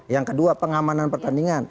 yang kedua pengamanan pertandingan